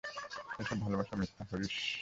এই সব ভালোবাস মিথ্যা, হরিশ।